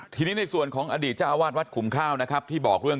ทีนี้ในส่วนของอดีตเจ้าวาดวัดขุมข้าวนะครับที่บอกเรื่อง